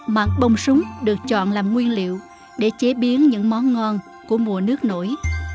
mặt bông súng được chọn làm nguyên liệu để chế biến những món ngon của mùa nước nổi